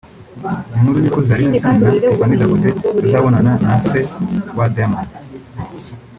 Iyi nkuru y’uko Zari Hassan na Tiffah Dangote bazabonana na se wa Diamond